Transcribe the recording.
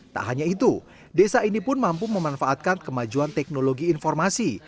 tak hanya itu desa ini pun mampu memanfaatkan kemajuan teknologi informasi